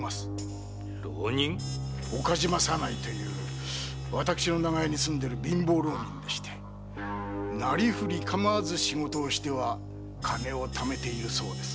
岡島左内という私の長屋に住んでる貧乏浪人でしてなりふり構わず仕事をしては金を貯めているそうです。